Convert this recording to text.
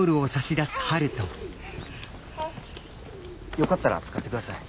よかったら使って下さい。